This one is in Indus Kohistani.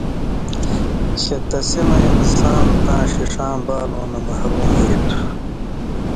چے تسی مہ انسان تاں ݜِݜاں بالؤں نہ محروم ہُوئ تُھو۔